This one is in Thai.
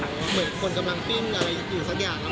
เหมือนคนกำลังปิ้งอะไรอยู่สักอย่าง